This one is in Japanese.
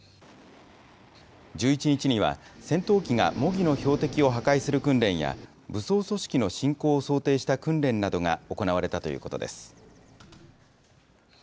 １１日には、戦闘機が模擬の標的を破壊する訓練や、武装組織の侵攻を想定した訓練などが行われたということです。